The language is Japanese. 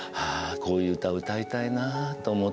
こういう歌を歌いたいなと思ってたんですよ。